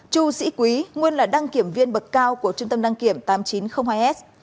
chu sĩ quý nguyên là đăng kiểm viên bậc cao của trung tâm đăng kiểm tám nghìn chín trăm linh hai s